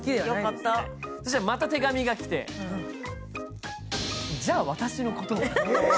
そしてまた手紙が来てじゃあ私のことは？